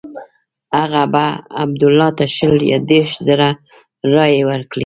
هغه به عبدالله ته شل یا دېرش زره رایې ورکړي.